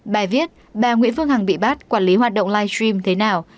bài viết bà nguyễn phương hằng bị bắt quản lý hoạt động live stream thế nào